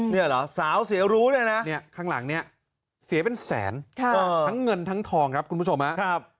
เนี่ยเหรอสาวเสียรู้ด้วยนะเนี่ยข้างหลังเนี่ยเสียเป็นแสนทั้งเงินทั้งทองครับคุณผู้ชมครับ